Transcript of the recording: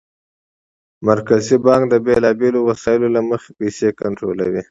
مرکزي بانک د بېلابېلو وسایلو له مخې پیسې کنټرولوي.